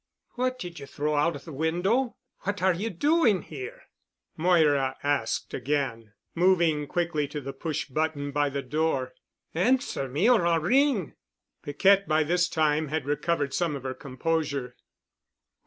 "What did you throw out of the window? What are you doing here?" Moira asked again, moving quickly to the push button by the door. "Answer me or I'll ring." Piquette by this time had recovered some of her composure.